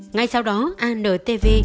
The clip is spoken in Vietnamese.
ngay sau đó antv